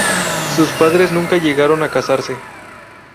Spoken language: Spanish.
Sus padres nunca llegaron a casarse.